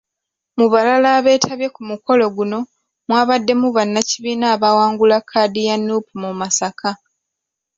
Mu balala abeetabye ku mukolo guno mwabaddemu bannakibiina abaawangula kkaadi ya Nuupu mu Masaka.